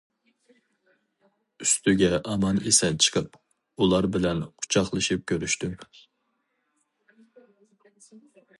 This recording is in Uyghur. ئۈستىگە ئامان- ئېسەن چىقىپ، ئۇلار بىلەن قۇچاقلىشىپ كۆرۈشتۈم.